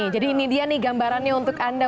jadi ini dia nih gambarannya untuk anda